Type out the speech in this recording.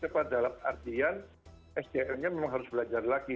pada artian sdm nya memang harus belajar lagi